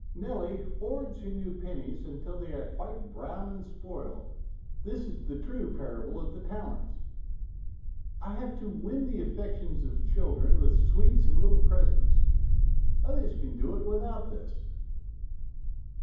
" Nelly hoards her new pennies until they are quite brown and spoiled ; this is the true parable of the talents." " I have to win the affections of children with sweets and little presents. Others can do it without this."